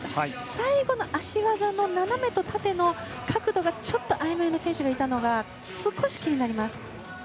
最後の脚技の斜めと縦の角度がちょっとあいまいな選手がいたのが少し気になりました。